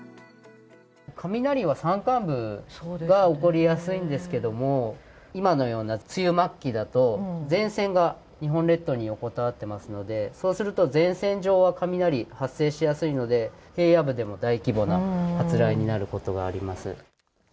雷は山間部が起こりやすいんですけれども、今のような梅雨末期だと、前線が日本列島に横たわっていますので、そうすると前線上は雷発生しやすいので、平野部でも大規模な発雷になることがあります。